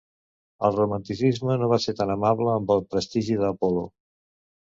El Romanticisme no va ser tan amable amb el prestigi de "Apolo".